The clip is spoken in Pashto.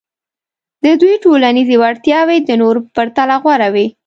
د دوی ټولنیزې وړتیاوې د نورو په پرتله غوره وې.